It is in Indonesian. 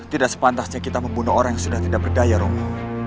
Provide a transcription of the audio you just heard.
tidak sepantasnya kita membunuh orang yang sudah tidak berdaya rombo